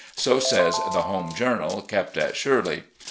So says the Home Journal kept at " Shirley."